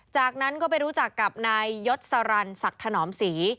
จากนั้นก็ไปรู้จักกับนายยศสรรศักดิ์ถนอมศรี